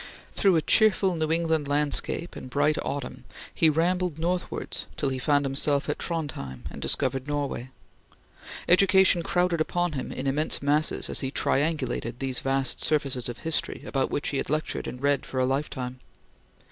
Through a cheerful New England landscape and bright autumn, he rambled northwards till he found himself at Trondhjem and discovered Norway. Education crowded upon him in immense masses as he triangulated these vast surfaces of history about which he had lectured and read for a life time.